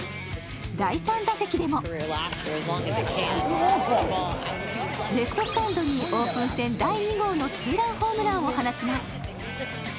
第３打席でもレフトスタンドにオープン戦第２号のツーランホームランを放ちます。